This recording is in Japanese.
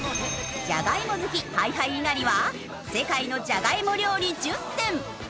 ジャガイモ好きＨｉＨｉ猪狩は世界のジャガイモ料理１０選。